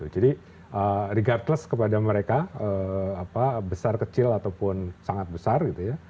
jadi regardless kepada mereka besar kecil ataupun sangat besar gitu ya